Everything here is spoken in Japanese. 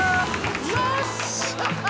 よっしゃ！